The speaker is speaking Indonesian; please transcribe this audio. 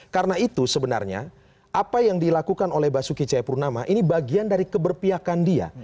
karena itu sebenarnya apa yang dilakukan oleh basuki cahayapurnama ini bagian dari keberpiakan dia